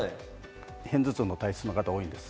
片頭痛の体質の方、多いです。